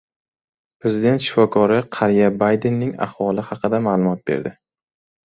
Prezident shifokori qariya Baydenning ahvoli haqida ma’lumot berdi